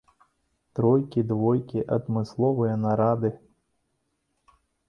Тройкі, двойкі, адмысловыя нарады.